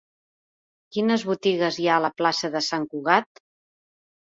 Quines botigues hi ha a la plaça de Sant Cugat?